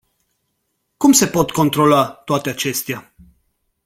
Cum se pot controla toate acestea?